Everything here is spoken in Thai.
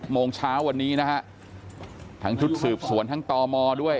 ๑๐โมงเช้าท่างที่สืบสวนทางปลอดภัยด้วย